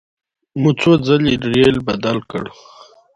مو څو ځلې ریل بدل کړ.